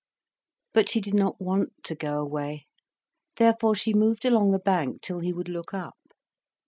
But she did not want to go away. Therefore she moved along the bank till he would look up.